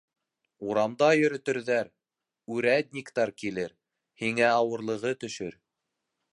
Урамда йөрөтөрҙәр, үрәдниктәр килер, һиңә ауырлығы төшөр.